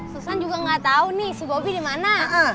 susah juga gak tau si bobby dimana